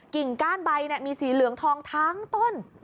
ก้านใบมีสีเหลืองทองทั้งต้น